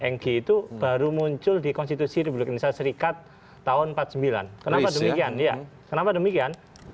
ng itu baru muncul di konstitusi republik indonesia serikat tahun seribu sembilan ratus empat puluh sembilan kenapa demikian